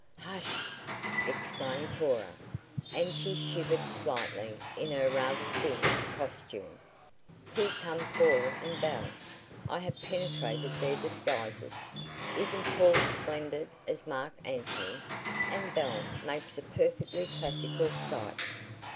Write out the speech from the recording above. "Hush!" exclaimed Cora, and she shivered slightly in her rather thin costume. "Here come Paul and Belle. I have penetrated their disguises. Isn't Paul splendid as Marc Anthony? and Belle makes a perfectly classical Psyche."